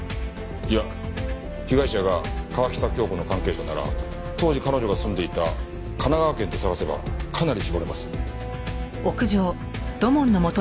いや被害者が川喜多京子の関係者なら当時彼女が住んでいた神奈川県で探せばかなり絞れます。